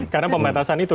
karena pembatasan itu